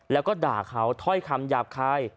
แล้วก็ด่าเขาถ้อยคำหยาบคาย